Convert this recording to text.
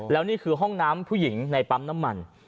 แล้วนี่คือห้องน้ำผู้หญิงในปั๊มน้ำมัน